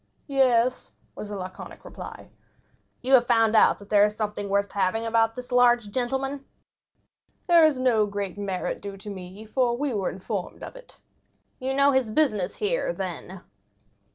"Yes," was the laconic reply. "You have found out that there is something worth having about this large gentleman?" "There is no great merit due to me, for we were informed of it." "You know his business here, then."